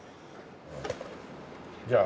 じゃあ。